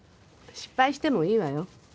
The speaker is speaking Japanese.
失敗してもいいわよ。